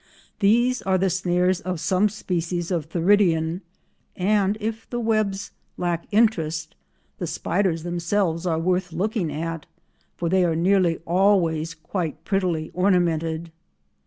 These are the snares of some species of Theridion, and if the webs lack interest the spiders themselves are worth looking at, for they are nearly always quite prettily ornamented.